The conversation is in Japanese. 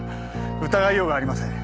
疑いようがありません。